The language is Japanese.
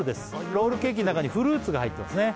ロールケーキの中にフルーツが入ってますね